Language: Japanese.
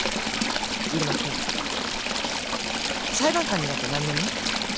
入間君裁判官になって何年目？